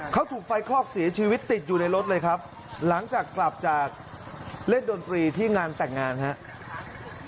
เขาถูกไฟคลอกเสียชีวิตติดอยู่ในรถเลยครับหลังจากกลับจากเล่นดนตรีที่งานแต่งงานครับ